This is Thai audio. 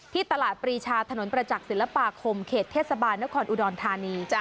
ที่ตลาดปริชาถนนประจักษ์ศิลปาขมเขตเทศบาลเธอร์นครออุดอลธานี